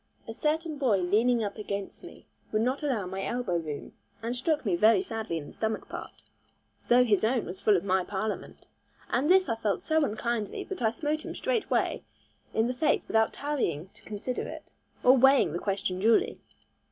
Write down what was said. A certain boy leaning up against me would not allow my elbow room, and struck me very sadly in the stomach part, though his own was full of my parliament. And this I felt so unkindly, that I smote him straightway in the face without tarrying to consider it, or weighing the question duly.